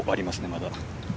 まだ。